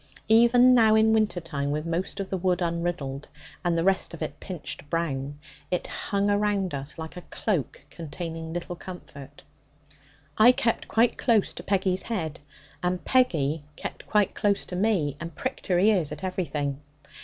Even now, in winter time, with most of the wood unriddled, and the rest of it pinched brown, it hung around us like a cloak containing little comfort. I kept quite close to Peggy's head, and Peggy kept quite close to me, and pricked her ears at everything.